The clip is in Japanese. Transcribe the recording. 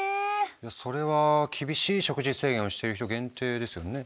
いやそれは厳しい食事制限をしてる人限定ですよね？